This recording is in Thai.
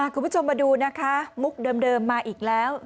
คุณผู้ชมมาดูนะคะมุกเดิมมาอีกแล้ว